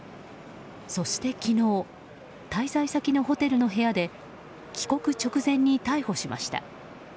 そして昨日滞在先のホテルの部屋で帰国直前に逮捕しました。